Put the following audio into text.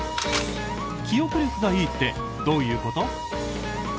記憶力がいいってどういうこと？